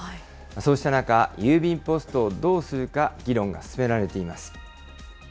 そうした中、郵便ポストをどうするか、議論が進められています。